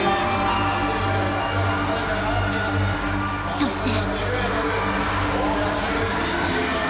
そして。